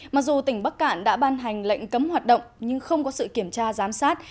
mặc dù tỉnh bắc cạn đã ban hành lệnh cấm hoạt động nhưng không có sự kiểm tra giám sát